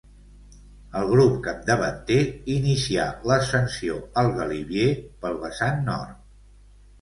El grup capdavanter inicià l'ascensió al Galibier pel vessant nord.